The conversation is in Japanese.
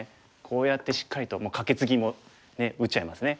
こうやってしっかりともうカケツギもね打っちゃいますね。